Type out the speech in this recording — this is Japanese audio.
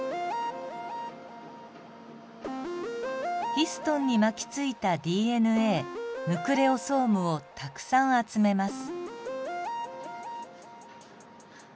ヒストンに巻きついたＤＮＡヌクレオソームをたくさん集めます。